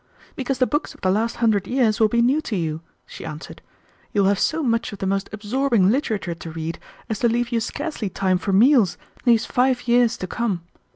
"Because the books of the last hundred years will be new to you," she answered. "You will have so much of the most absorbing literature to read as to leave you scarcely time for meals these five years to come.